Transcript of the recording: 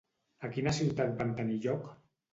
A quina ciutat van tenir lloc?